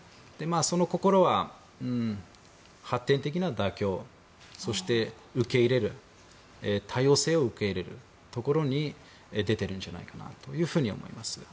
その心は、発展的な妥協そして、受け入れる多様性を受け入れるところに出てるんじゃないかなというふうに思います。